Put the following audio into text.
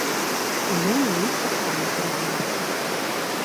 І ён на іх таксама перадаецца.